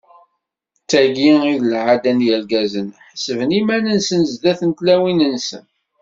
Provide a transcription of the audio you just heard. D tagi i d lɛada n yirgazen, ḥessben iman-nsen sdat n tlawin-nsen.